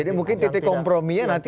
jadi mungkin titik kompromi nya nanti